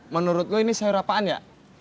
menurut gue ini sayur apaan ya